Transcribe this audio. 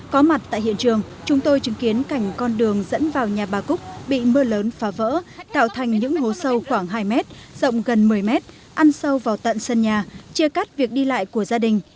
có mặt tại hiện trường chúng tôi chứng kiến cảnh con đường dẫn vào nhà bà cúc bị mưa lớn phá vỡ tạo thành những hố sâu khoảng hai mét rộng gần một mươi mét ăn sâu vào tận sân nhà chia cắt việc đi lại của gia đình